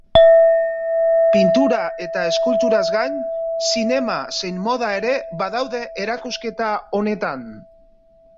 Pintura eta eskulturaz gain, zinema zein moda ere badaude erakusketa honetan.